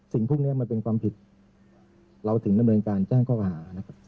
สิ่งพวกนี้มันเป็นความผิดเราถึงในบริษัทการแจ้งเข้าหา